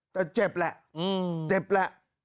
แต่เจ็บแหละ